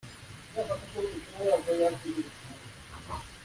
mukure muri mwe j imana z amahanga n ibishushanyo bya ashitoreti